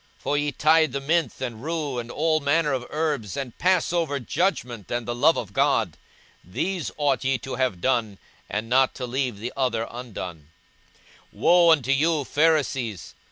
for ye tithe mint and rue and all manner of herbs, and pass over judgment and the love of God: these ought ye to have done, and not to leave the other undone. 42:011:043 Woe unto you, Pharisees!